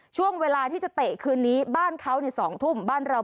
ช่วงเวลาที่จะเตะคืนนี้บ้านเขาใน๒ทุ่มบ้านเรา